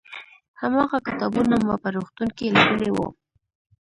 هماغه کتابونه ما په روغتون کې لیدلي وو.